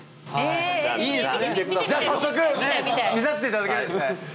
じゃ早速見させていただけるんですね！